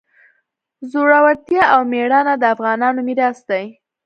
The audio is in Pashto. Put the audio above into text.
زړورتیا او میړانه د افغانانو میراث دی.